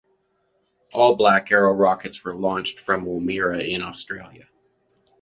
All Black Arrow rockets were launched from Woomera in Australia.